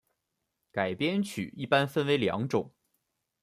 改编曲一般分为两种。